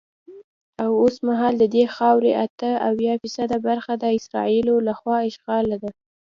اوسمهال ددې خاورې اته اویا فیصده برخه د اسرائیلو له خوا اشغال ده.